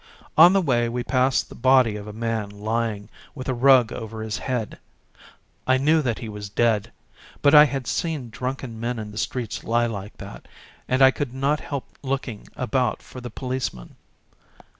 On the way we passed the body of a man lying with a rug over his head. I knew that he was dead ; but I had seen drunken men in the streets lie like that, and I could not help looking about for the policeman.